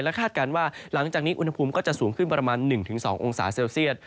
คาดการณ์ว่าหลังจากนี้อุณหภูมิก็จะสูงขึ้นประมาณ๑๒องศาเซลเซียต